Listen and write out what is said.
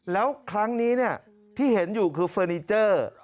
แล้วครั้งนี้ที่เห็นอยู่คือเฟอร์นิเจอร์